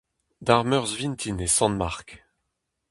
D'ar Meurzh vintin e Sant-Mark.